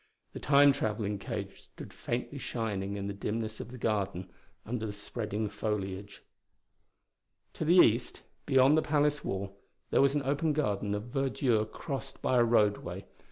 The Time traveling cage stood faintly shining in the dimness of the garden under the spreading foliage. To the east, beyond the palace wall, there was an open garden of verdure crossed by a roadway.